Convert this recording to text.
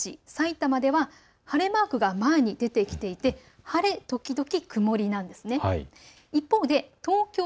内陸の宇都宮や前橋、さいたまでは晴れマークが前に出てきていて晴れ時々曇りなんです。